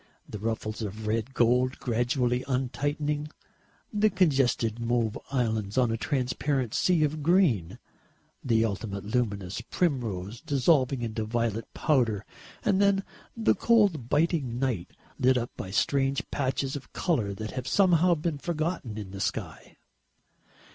The ruffles of red gold gradually untightening, the congested mauve islands on a transparent sea of green, the ultimate luminous primrose dissolving into violet powder and then the cold biting night lit up by strange patches of colour that have somehow been forgotten in the sky.